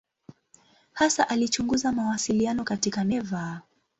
Hasa alichunguza mawasiliano katika neva.